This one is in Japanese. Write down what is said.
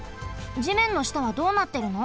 じめんのしたはどうなってるの？